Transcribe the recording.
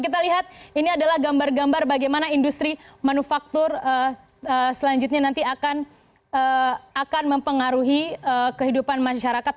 kita lihat ini adalah gambar gambar bagaimana industri manufaktur selanjutnya nanti akan mempengaruhi kehidupan masyarakat